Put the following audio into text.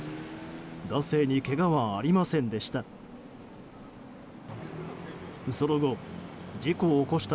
男性にけがはありませんでした。